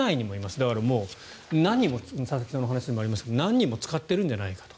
だから佐々木さんのお話にもありましたが何人も使ってるんじゃないかと。